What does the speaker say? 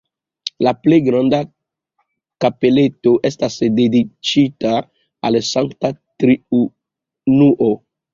La plej granda kapeleto estas dediĉita al Sankta Triunuo.